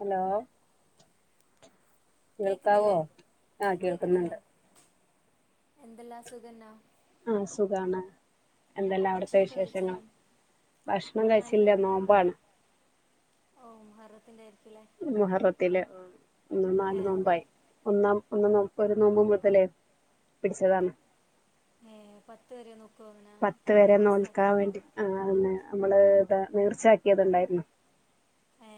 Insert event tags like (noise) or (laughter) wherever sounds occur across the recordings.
Hello കേൾക്കാവോ കേക്കുന്നില്ലേ ആഹ കേക്കുന്നില്ലേ കേൾക്കുന്നുണ്ട് എന്തെല്ലാ സുഖന്നാ ആ സുഖാണ് എന്തല്ല അവിടുത്തെ ഭക്ഷണമൊക്കെ കഴിച്ചോ വിശേഷങ്ങൾ ഭക്ഷണം നല്ല കഴിച്ചില്ല നോമ്പാണ് മത്തിന്റ (unintelligible) മുഹറത്തിലെ ഒ ഏ നാലു നോമ്പായി ഒന്നാം ഒന്നാം ന ഒരു നോമ്പ മുതലെ പിടിച്ചതാണ് ഏ പത്ത് പരെ നോ പത്ത് വരെ നോൽക്കാൻ വേണ്ടി ആന്ന നമ്മള് ഇതാ നേർച്ചാക്കിയത്ണ്ടായിരുന്നു ഏ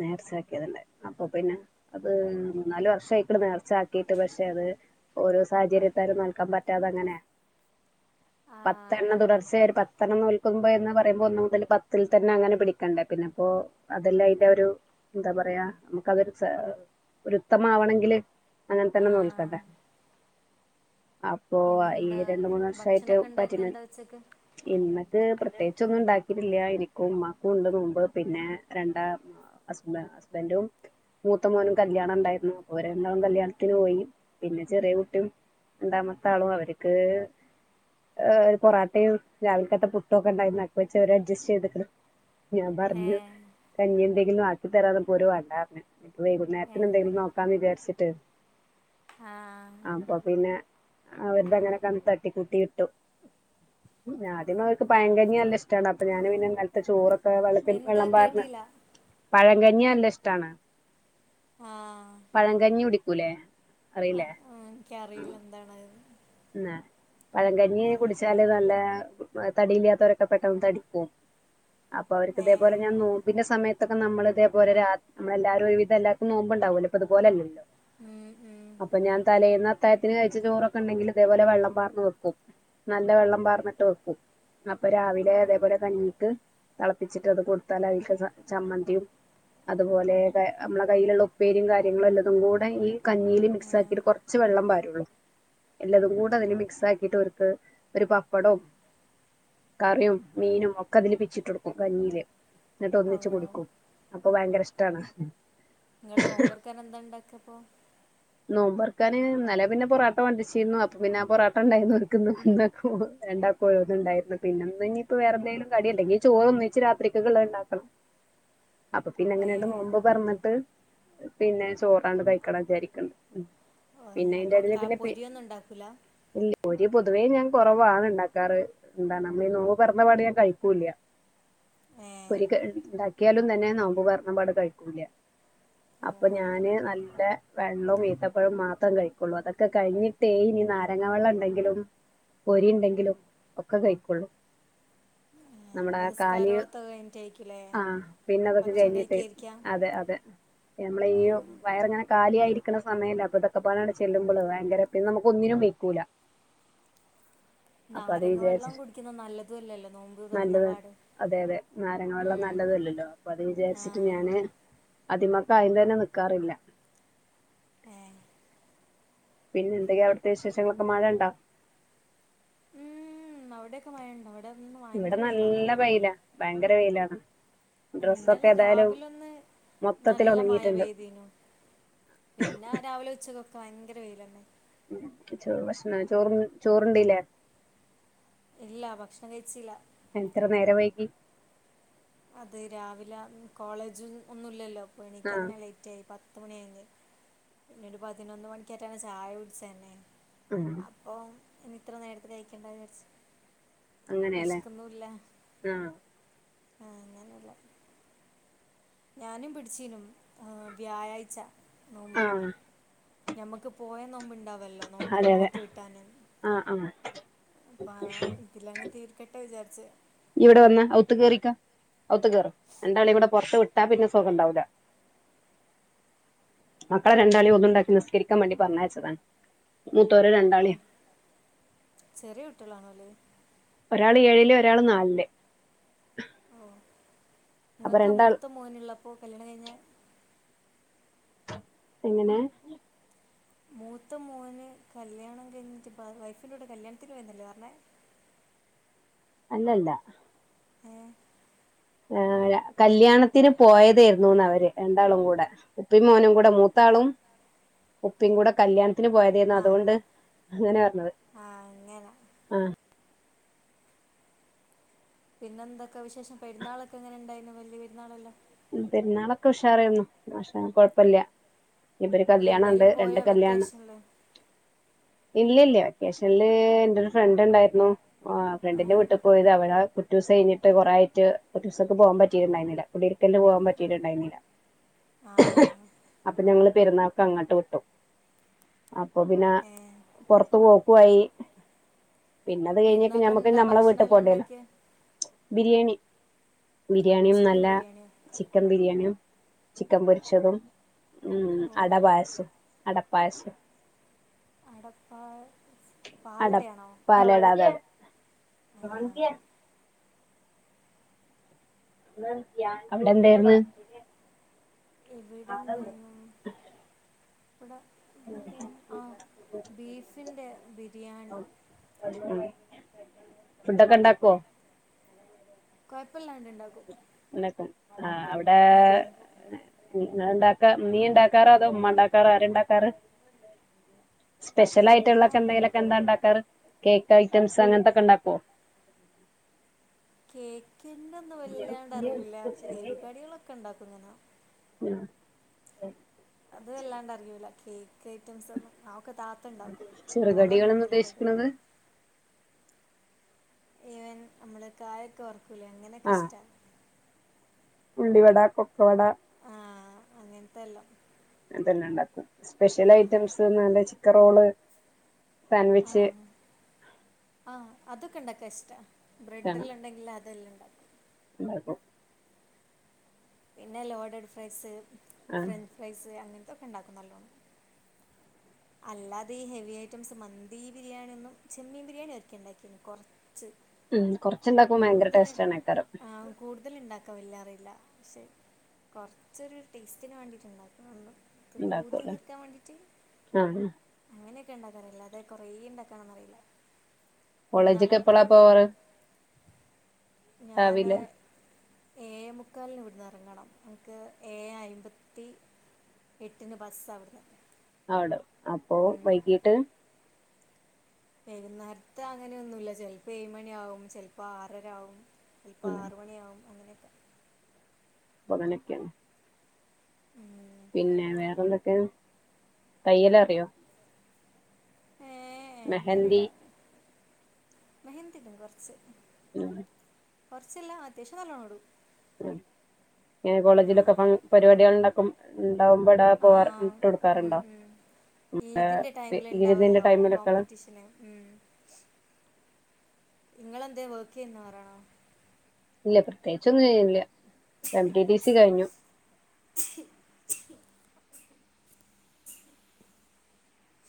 നേർച്ചാക്കിയത്ണ്ടായിരുന്നു അപ്പൊ പിന്നെ അത് മൂ നമ്മൾ നേർച്ച ആക്കിയത് ഒണ്ടാർന്ന് നേർ ച്ചാൽകിയത് ഒണ്ടാർന്ന് അപ്പൊ പിന്നെ നാലല് വർഷ ആയിക്കള നേർച്ചാക്കിട്ട് പക്ഷെ അത് ഓരോ സാഹചര്യത്താലും നൽകാൻ പറ്റാതെ അങ്ങനെയാ പത്തെണ്ണം ആണോ തുടർച്ചയ ഒരു പത്തെ എണ്ണം നോൽക്കുമ്പോ എന്ന് പറയുമ്പോ ഒന്നു മുതൽ പത്തിൽ തന്നെ അങ്ങനെ പിടിക്കണ്ടേ പിന്നെ ഇപ്പോൊഅതെല്ലാം അതിറെ ഒരു എന്താ പറയാ നമുക്ക് അതൊരു ഒരുത്തമാവണെങ്കില് അങ്ങനെ ആ തന്നെ നോൽക്കണ്ടേ അപ്പൊ ഈ ഇന്നെന്താ രണ്ട മൂന്ന് ഭക്ഷണമൊക്കെ ഉണ്ടാക്കിയ വർഷായ് എന്താ ഉച്ചക്ക് ഇന്നക്ക് പ്രത്യേകിച്ചൊന്നുണ്ടാക്കി കുഞ്ഞില്ലായുനിക്കു ഉമാക്കുള്ളതുമുമ്പ്. പിന്നെ രണ്ടാ ഹസ്ബ ഹസ്ബന്റും മൂത്ത മോനും കല്യാണണ്ടാരുന്നു. ഓരണ്ടു കല്യാണത്തിന് പോയി. പിന്നെ ചെറിയ കുട്ടീം രണ്ടാമത്താളും അവരിക്ക് ഏഹ് പൊറാട്ടയും രാവിൽക്കത്തെ പുട്ടുക്കെയെണ്ടാരന്ന്. അക്കെച്ചവര് അഡ്ജസ്റ്റ് ചെയ്തേക്കണ്. ഞാൻ ഏ പറഞ്ഞു കഞ്ഞി എന്തെങ്കിലും ആക്കി തരാന്നപ്പോവെര് വേണ്ടാർ റഞ്ഞ്. വൈകുന്നേരത്തിനെന്തെലും നോക്കാമെന്ന് വിചാരി സെറ്റ് ആഹ് അവർങ്ങടെ കൺ തട്ടി കൂട്ടിയിട്ടു. ആദ്യം അവൾക്ക് പഴ കഞ്ഞിയാന്ന് നൽ ഇഷ്ട വൊള്ളേ. അപ്പൊ ഞാന് പിന്നെന്നിലത്തെ ചോറ്. ഓ വെള്ളത്തി എന്താ വെള്ളം പാർനേ കേട്ടില്ല പഴക്കഞ്ഞിയ നൽഷ്ടാണ് ആഹ് ആ കുലെ ആ ആഹ് എനിക്ക് അറിയില്ല എന്താണത് അതിലെന്ന് എന്ന പഴകഞ്ഞി കുടിച്ചാല് നല്ല തടിയില്ലാത്തവരെക്കെ പെട്ടെന്ന് തടിക്കും അപ്പൊ അവരക്ക് ഏ ഇതേപോലെ ഞാൻ നോമ്പിന്റെ സമയം ഇതൊക്കെ നമ്മളിതേപ്പോരെ രാ നമ്മെളെല്ലാരും ഒര് ത് എല്ലാക്ക നോമ്പൊണ്ടാകുമല്ലോ. ഇപ്പ ഇതുപ്പോലല്ലോ. ഉം, ഉം, അപ്പ ഞാൻ തലേന്നപ്പ് തായത്തിന് കഴിച്ച ചോറൊക്കെയൊണ്ടങ്കിലും അതേപോലെ വെള്ളം പാർന്ന് വെക്കും. നല്ല വെള്ളം പാർന്നിട്ട് വെക്കും. അപ്പ രാവിലെ അതേപോലെ കഞ്ഞിക്ക്, തെളപ്പിച്ചിട്ട് അത് കൊടുത്താൽ അവക്ക് ചമ്മന്തിയും അതുപോലെക്കെ നമ്മളെ കയ്യിലൊള്ള ഉപ്പേരിയും കാര്യങ്ങളുല്ലതൂടെ ഈ കഞ്ഞീല് ആ, മിക്സാക്കിട്ട് കൊറച്ച് വെള്ളം പാരുള്ളു. എല്ലതും കൂടെ അതില് മിക്സാക്കിട്ടിവർക്ക് ഒരു പപ്പടവും കറിയും മീനും ഒക്കെ അതില് പിച്ചിട്ടുടുക്കും കഞ്ഞീല്. എന്നിട്ട് ഒന്നിച്ച് അവോ കുടിക്കും. അപ്പൊ ഭയങ്കരയിഷ് ടാണ് ഹു നിങ്ങള് നോമ്പുർക്കാനെന്താണ്ടാക്കിപ്പോ? നോമ്പൊറക്കാന് ഇന്നലേ പിന്നെ ബൊറോട്ട വന്ദിച്ചിരുന്നു. അപ്പൊ പിന്നെ ബൊറോട്ടാണ്ടായിരുന്നു. ന്നാക്ക മൂന്നാക്കോ രണ്ടാക്കോ ഒള്ളതൊണ്ടായിരുന്നു. പിന്നിനിപ്പ വേറെന്തേലും കടിയുണ്ടെങ്കി ചോറൊന്നിച്ച് രാത്രി ത്തെക്കൊള്ളയൊണ്ടാക്കണം. അപ്പ പിന്നെ ഏ അങ്ങനെയണ്ട് നോമ്പ് പറന്നിട്ട് പിന്നെ ചോറാണ് കഴ്ക്കണ വിചാരി പിന്നെ എന്റെ അപ്പോൾ അടല് ക പിന്നെ പി പൊരിയൊന്നും ഉണ്ടാക്കൂല ഇ പൊതുവേ ഞാൻ കൊറവാണ് ഇണ്ടാക്കാറ്. എന്താ നമ്മള് നൊണ പറയന്നപ്പാട് ഞാൻ കഴിക്കൂല്ല. ഏ പൊരി ക ഇണ്ടാക്കി ക്കിയാലും തന്നെ നോമ്പപ്പറണപ്പാട് കഴിക്കൂല്ല. ഓ അപ്പൊ അങ്ങനെ ഞാന് നല്ല വെള്ളവും ഈത്തപ്പഴവും മാത്രം കഴിക്കൊള്ളൂ. അതൊക്കെ കഴിഞ്ഞിട്ടേ ഇനി നാരങ്ങ വെള്ളം ഉണ്ടെങ്കിലും പൊരി ഉണ്ടെങ്കിലും ഒക്കെ കഴിക്കൊള്ളൂ. ഏ, നമ്മടെ പിന്നെ കാലി നിസ്കാരമൊക്കെ കഴിഞ്ഞിട്ടായിരിക്കില്ലേ ആഹ് പിന്നെ അതൊക്കെ ഭക്ഷണം കഴിഞ്ഞിട്ട് കഴിക്കായിരിക്കാം അതെ അതെ. നമ്മളീ ഉം. വയറിങ്ങനെ. കാലിയായിരിക്കണ സമയല്ലേ അപ്പൊയിതൊക്കെപ്പോലാണ് ചെല്ലുമ്പള്. ഭയങ്കര പിന്നെ നമ്മുക്ക് ഒന്നിനും വെക്കൂല. അപ്പൊ അത് നാരങ്ങ വിചാരിച്ചി വെള്ളം കുടിക്കുന്നത് നല്ലതും അല്ലല്ലോ നോമ്പ് തുറന്ന നല്ലത്. പാട് അതെ അതെ നാരങ്ങ വെള്ളം ഉം. നല്ലതല്ലല്ലോ. അപ്പൊ അത് ആ വിചാരിച്ചിട്ട് ഞാന്. അതിമക്കെ അയിു തന്നെ നിക്കാറില്ല ഏ പിന്നെ എന്തൊക്കാ അവിടുത്തെ വിശേഷങ്ങളൊക്കെ മഴ ഉണ്ടോ അവിടെൊക്കെ മഴ ഇവിടെ ഇവിടെ നല്ല വൈയില ഭയങ്കര വയിലാണ് (inaudible) ഇന്നലെ രാവിലൊന്ന് മൊത്തത്തിൽ നല്ല ഉണങ്ങിയിട്ടുണ്ട് മഴവേദീനു പിന്നെ രാവിലെ ഉച്ചക്ക ഭയങ്കര വെയില തന്നെ ഉച്ചക്ക് ഭക്ഷണം ചോറ ചോറണ്ടല്ലേ ഇല്ല ഭക്ഷണം കഴിച്ചില്ല എത്ര നേര വൈകി അത് രാവിലെ കോളേജും ഒന്നുമില്ലല്ലോ അപ്പോൾ എനിക്ക് ആഹ് എങ്ങനെ ലേറ്റ്റ്റയി പ പത്ത മണ അയി നണ്ട് പതിനൊന്ന് മണക്ക് എട്ടാാണ് ചാായ കുടിച്ചാന്ന ഉം ഇനി ഇത്ര നേരത്തെ കയിക്കേണ്ട വിചരിച്ച അങ്ങനെയല്ലേ ആ ആ അങ്ങാനല്ല ഞാനും പിടിച്ചീനും വ്യാഴാഴ്ച നോമ്പ് ആഹ് ഞമ്മുക്ക് പോയ നോമ്പ് ഇണ്ടാവല്ലോ നോക്കി അതെ അതെ നോറ്റി വിട്ടാന ആഹ് ആഹ് അ ഇതിലങ്ങ് തീർക്കട്ടെ വിചാരിച്ച ച് ഇവിടെ വന്ന ഔത്ത് കേറിക്ക ഔത്ത് കേറ രണ്ടാളി ഇവിടെ പുറത്ത് വിട്ടാ പിന്നെ സുഖ ഉണ്ടാവൂല്ല മക്കളെ രണ്ടാളി ഒന്നണ്ടാക്കി നിസ്കരിക്കാൻ വേണ്ടി പറഞ്ഞയച്ചതാണ് മൂത്തോര് രണ്ടാളേം ചെറിയ കുട്ടികളാണ അല്ലേ ഒരാള് ഏഴില് ഒരാള് നാലില് ഓ അപ്പൊ നിങ്ങൾക്ക് രണ്ടാൾ മൂത്ത മോനുള്ള പോ കല്യാണം കഴിഞ്ഞ എങ്ങനെ മൂത്ത മോന് കല്യാണം കഴിഞ്ഞിട്ട് വൈഫിന്റെറ കൂടെ കല്യാണത്തി വുന്നല്ലേ പറഞ്ഞേ അല്ലല്ല ആ ആ കല്യാണത്തിന് പോയതായിരുന്നുന്ന് അവര് രണ്ടാളും കൂടെ ഉപ്പി മോനും കൂടെ മൂത്താളും ഉപ്പിയും കൂടെ കല്യാണ ത്തിന് പോയാതന്ന ആ അതുകൊണ്ട് അങ്ങനെ പറഞ്ഞത് ആ അങ്ങനെ ആ പിന്നെ എന്തൊക്കെ വിശേഷം പെരുന്നാളൊക്കെ എങ്ങനെ ഉണ്ടായിരുന്നു വലിയ പെരുന്നാളല്ലോ പെരുന്നാളൊക്കെ ഉഷാറന്നുന്നു ഉഷാ കൊഴപ്പില്ല ഇപ്പൊ ഒരു കല്യാണം ഉണ്ട് എവിടെയെങ്കിലും രണ്ട് പോയോ കല്യാണം വെക്കേഷനിൽ ഇല്ല ഇല്ല വെക്കേഷനില് എന്റെ ഒരു ഫ്രണ്ട് ഉണ്ടായിരുന്നു ആ ഫ്രണ്ടിന്റെ ഉം. വീട്ടിൽ പോയത് അവടെ കുറ്റ ദൂസ കഴിഞ്ഞിട്ട് കുറ ആട്ട് കുറ്റ ദൂസക്ക് പോൻ പറ്റിയിരുന്നു (unintelligible) പോവാൻ പറ്റിട്ടുണ്ടായിരുന്നില്ല ആ അപ്പം ഞങ്ങള് പെരുന്നാൾക്കങ്ങട്ട് കിട്ടും അപ്പൊ പിന്നെ ഏ പൊറത്ത് പോ വയ്യി പിന്നത് കഴിഞ്ഞിട്ട് പെരുന്നാൾക്ക് ഞമ്മക്ക് എന്താ ഞമ്മളെ വീട്ടി ഭക്ഷണമെല്ലാം പോണ്ടല്ലോ ഉണ്ടാക്കിയത് ബിരിയണി ബിരിയാണിയും ചിക്കൻ നല്ല ബിരിയാണിയോ ചിക്കൻ ബിരിയാണിയും ചിക്കൻ പൊരിച്ചതും മ്മ് ഓ അട പായസും അടപ്പായസം അടപ്പാ അട പാലടയാണോ പാലട അത് തന്നെ ആ (unintelligible) അവിടെന്തായിരന്ന് ഇവിടെന്തായിരന്ന് (unintelligible) ആ ബീഫിൻ്റെ ബിരിയാണി ഉം ഫുഡൊക്കെ ഇണ്ടാക്കുവോ കൊ കൊഴപ്പല്ലാണ്ടിണ്ടാക്കും ആ അവിടെ നിങ്ങള് ഇണ്ടാക്കാ നീ ഇണ്ടാക്കാറോ അതോ ഉമ്മ ഇണ്ടാക്കാറോ ആരണ്ടാക്കാറ് ഇപ്പോൾ സ്പെഷ്യലായിട്ടുള്ളക്കെ എന്തേലുമൊക്കെ എന്താ ഇണ്ടാക്കാറ് കേക്ക് ഐറ്റംസ് അങ്ങനത്തക്കെ ഇണ്ടാക്കോ കേ (unintelligible) വല്ലാണ്ട് അറിവില്ല പക്ഷേ എരിവ് കടികളൊക്കെയുണ്ടാകും ഇങ്ങന മ്മ് അത് വല്ലാണ്ട് അറിയൂല കേക്ക് ഐറ്റംസൊന്നും അ (unintelligible) താത്തണ്ടാക്കും ഓള ചെറുകടികൾന്ന് അങ്ങനത്തെലൊക്കെ ചെയ്യല് ഉദ്ദേശിക്ക്ണത് ഈവൻ നമ്മള് കായൊക്കെ വറു (unintelligible) അങ്ങനെയക്കെ ആഹ് ഇഷ്ട ഉള്ളിവട കൊക്കവട ആ അങ്ങനത്തെല്ലാം അതന്നെണ്ടാക്കും സ്പെഷ്യൽ ഐറ്റംസ് (unintelligible) ക്കൻ റോള് സാൻവിച്ച് അതൊക്കെണ്ടാക്കാൻ ഇഷ്ടാ ബ്രെഡെല്ലണ്ടെങ്കിൽ അതെല്ലാം ഉണ്ടാക്കും (unintelligible) പിന്നെ ലോഡഡ് ഫ്രൈസ് ആഹ് ഫ്രഞ്ച് ഫ്രൈസ് അങ്ങനെ അതൊക്കെണ്ടാക്കും നല്ലോണം അല്ലാതെ ഈ ഹെവി ഐറ്റംസ് മന്തി ബിരിയാണിയൊന്നും ചെമ്മീൻ ബിരിയാണി ഒരിക്കെ ഉണ്ടാക്കിന്ന് കൊറ ഉം കൊറച്ചുണ്ടാക്കും ഭയങ്കര ടേസ്റ്റാണ് (unintelligible) (unintelligible) വല്യ അറിയില്ല പക്ഷെ കൊറച്ചൊരു ടേസ്റ്റിനു വേണ്ടിട്ട് ഉണ്ടാക്കുംന്നെ ഉള്ളൂ ഇണ്ടാക്കും അല്ലേ ആ ആ അങ്ങനെയൊക്കെ ഉണ്ടാക്കാറിയു അല്ലാതെ കൊറേ ഇണ്ടാക്കാനൊന്നറിയില്ല കോളേജൊക്കെ എപ്പോളാ പോവാറ് ഞാന് രാവിലെ ഏയേമുക്കാലിനിവിടുന്നു എറങ്ങണം എനിക്ക് ഏയേ ആയിമ്പത്തി എട്ടിനു ബസ് അവിടുന്ന് (unintelligible) അപ്പൊ വൈകിട്ട് വെരുന്നേരത്ത് അങ്ങനൊന്നുമില്ല ചെലപ്പോ എയുമണി ആവും ചെലപ്പോ ആറര ആവും ചെലപ്പോ ഉം ആറുമണി ആവും അങ്ങനെ പ്പോങ്ങനെ ക്കെയാണ് ഉം പിന്നെ വേറെന്തൊക്കെ തയ്യലറിയൊ മെഹന്തി മെഹന്തിടും കൊറച്ച് ഉം കൊറച്ചല്ല അത്യാവശ്യം നല്ലോണമിടും ആ എങ്ങനെ കോളേജിലൊക്കെ ഫ പരിപാടികളൊണ്ടപ്പം മ് ആ, (unintelligible) ഉം, ഇട്ടുകൊടുക്കാറുണ്ടോ ഉം. ഈ ഇതിൻ്റെ ടൈമിൽ ഈതിന്റെ ഉണ്ടാവുമല്ലോ ടൈമിലൊക്കെ കോമ്പറ്റീഷന് ഇങ്ങളെന്തെ വർക്ക്‌ ചെയുന്നു പറയണോ ഇല്ല പ്രത്യേകിച്ചൊന്നുമില്ല എം റ്റി ഡി സി കഴിഞ്ഞു (unintelligible)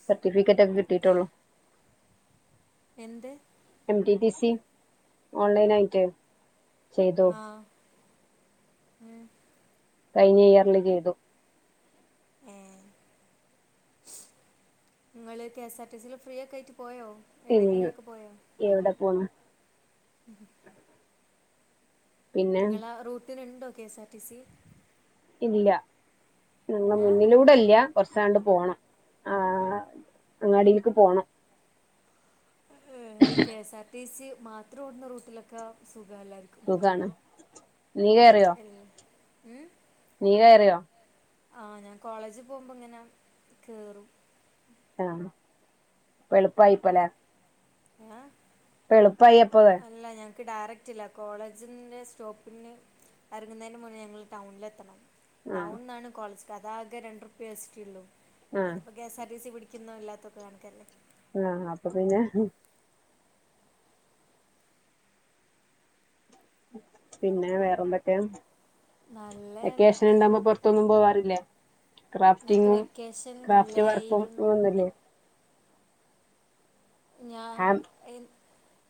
സർട്ടിഫിക്കറ്റൊക്കെ കിട്ടീട്ടെ ഒള്ളു എന്തെ റ്റി റ്റി സി ഓൺലൈനായിട്ട് ചെയ്തു ആ ഉം കയിഞ്ഞ ഇയർല് ചെയ്തു ഏ ഇങ്ങള് K S R T C യില് ഫ്രീയൊക്കെ ആയിട്ട് പോയോ ഉം എവിടേക്കെങ്കിലുമൊക്കെ പോയോ എവിടെ പോണ് ഉം നിങ്ങളാ റൂട്ട് ഇതിൽ ഇണ്ടോ K S R T C ഇല്ല ഞങ്ങടെ ഏ മുന്നിലൂടെയില്ല കുറച്ചാണ്ട് പോണം ആ അങ്ങാടിയിക്ക് പോണം ഈ കെസ് ആർ ടി സി മാത്രം ഓടുന്ന റൂട്ടിലൊക്കെ സുഖ എല്ലർക്കും സുഖാണ് നീ കേയറിയോ ഉം നീ കയറിയോ ആ ഞാൻ കോളേജിൽ പോകുമ്പോ ഇങ്ങനെ കേറും ആ ഇപ്പ എളുപ്പമായിയിപ്പോലെ ആ എളുപ്പയിയപ്പൊ എനിക്ക് ഡയറക്റ്റ് ഇല്ല കോളേജിൻ്റെ സ്റ്റോപ്പിന് ഇറങ്ങുന്നതിന് മുന്നേ ഞങ്ങൾ ടൗണില് എത്തണം ആ ടൗൺന്നാണ് കോളേജി അതാകെ രണ്ടുർപ്യ എസ്റ്റി ഉള്ളൂ ആ അതിപ്പോ കെസാആർടിസി പിടി എന്നും ഇല്ലാത്തൊക്കെ കാണക്കന്നെ ആ അപ്പൊ പിന്നെ പിന്നെ വേറെ എന്തൊക്കെ നല്ല വെക്കേഷൻണ്ടാകുമ്പോ പുറത്തൊന്നും പോവാറില്ലേ ഞങ്ങൾക്ക് ക്രാഫ്റ്റിങ്ങും വെക്കേഷൻ ക്രാഫ്റ്റ് വർക്കും ഇല്ലായിരുന്നു ഒന്നില്ലേ ഞാൻ ഹാം എ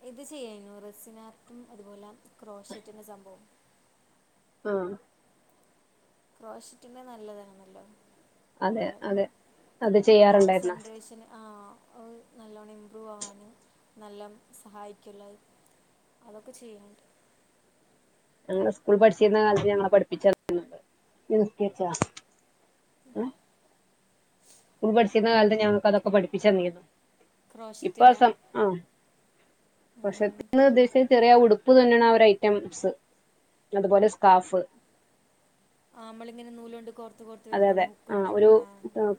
ഇത് ചെയ്യുന്നു റെസിനാർട്ടും അതുപോലെ ക്രോഷറ്റന്റെ സംഭവം ആ ക്രോഷറ്റിന്റെ നല്ലതാണല്ലോ അതെ നല്ല അതെ അത് ചെയ്യാറുണ്ടായിരുന്നോ കോൺസെൻട്രേഷൻ ആ അ നല്ലോണ്ണം ഇംമ്പ്രൂവ് ആവാന് നല്ല സഹായിക്കല്ലോ അത് അതൊക്കെ ചെയ്യല്ണ്ട് ഞങ്ങള് സ്കൂൾ പഠിച്ചിരുന്ന കാലത്ത് ഞങ്ങളെ പഠിപ്പിച്ചണ്ട് ഏ സ്കൂൾ പഠിച്ചിരുന്ന കാലത്ത് ഞങ്ങൾക്ക് അതൊക്കെ പഠിപ്പിച്ചു തന്നിരുന്നു ഇപ്പൊ ആ ക്രോഷറ്റിൻ്റെ സം അ പക്ഷെ ഉദ്ദേശിച്ച അ ചെറിയ ഉട് പ്പ് തുന്നണ ഒരു ഐറ്റംസ് അതുപോലെ സ്കാഫ് ആ നമ്മള് ഇങ്ങന നൂലോണ്ട് കൊർ കോർത്ത് അതെ വരുന്നത് അതെ ഹുക്ക് ആ കൊണ്ട് ഒരു ഉം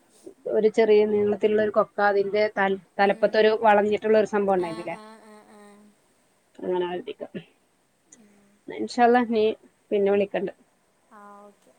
ഒരു ചെറിയ നീളത്തിലുള്ളൊരു കൊക്ക അതിന്റെ തൽ ഉം. തലപ്പത്തൊരു വളഞ്ഞിട്ടുള്ള ഒരു സംഭവം ആ ഉണ്ടായിരുന്നില്ലേ ആ ആ ആ അങ്ങനെ വരുത്തിക ന്നാ ഇൻഷാ അല്ലാഹ് പിന്നെ വിളിക്കണ്ട് ആ ഓക്കെ